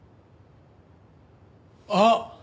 あっ！